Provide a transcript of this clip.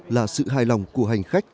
là sự hài lòng của hành khách